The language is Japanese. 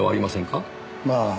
まあ。